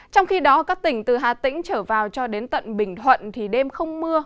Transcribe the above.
trong khi đó các tỉnh từ hà tĩnh trở vào cho đến tận bình thuận thì đêm không mưa